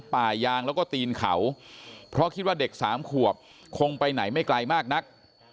ป่ายางแล้วก็ตีนเขาเพราะคิดว่าเด็กสามขวบคงไปไหนไม่ไกลมากนัก